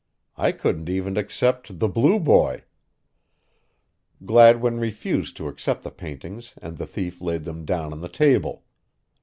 I couldn't even accept 'The Blue Boy.'" Gladwin refused to accept the paintings and the thief laid them down on the table.